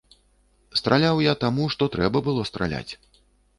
Страляў я таму, што трэба было страляць.